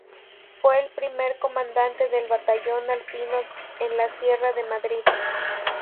Fue el primer comandante del Batallón Alpino en la Sierra de Madrid.